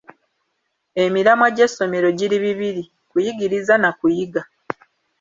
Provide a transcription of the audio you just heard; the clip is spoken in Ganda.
Emiramwa gy'essomero giri ebiri: Kuyigiriza na kuyiga.